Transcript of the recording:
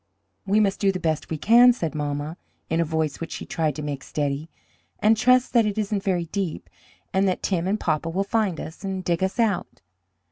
"We must do the best we can," said mamma, in a voice which she tried to make steady, "and trust that it isn't very deep, and that Tim and papa will find us, and dig us out."